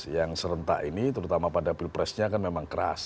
yang serentak ini terutama pada pilpresnya kan memang keras